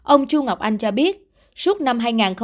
ông chu ngọc anh cho biết suốt năm hai nghìn hai mươi một